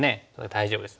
大丈夫です。